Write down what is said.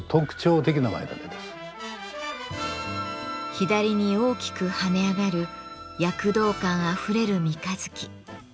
左に大きく跳ね上がる躍動感あふれる三日月。